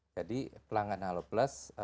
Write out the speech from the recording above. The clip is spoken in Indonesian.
jadi pelanggan halo plus